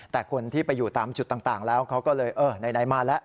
แต่คนที่ไปอยู่ตามจุดต่างแล้วเขาก็เลยเออไหนมาแล้ว